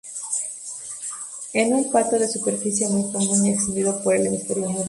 Es un pato de superficie muy común y extendido por el hemisferio norte.